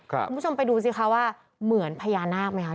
คุณผู้ชมไปดูสิคะว่าเหมือนพญานาคไหมคะ